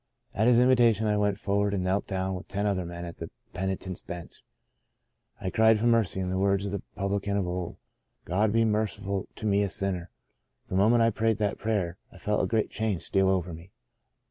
At his invitation I went forward, and knelt down with ten other men at the penitent's bench. I cried for mercy in the words of the publican of old —* God be merciful to me a sinner !' The moment I prayed that prayer I felt a great change steal over me.